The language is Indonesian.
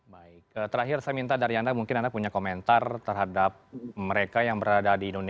baik terakhir saya minta dari anda mungkin anda punya komentar terhadap mereka yang berada di indonesia